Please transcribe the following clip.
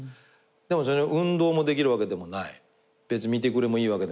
でも運動もできるわけでもない別に見てくれもいいわけでもない。